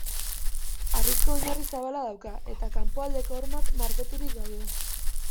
Harrizko oinarri zabala dauka, eta kanpoaldeko hormak margoturik daude.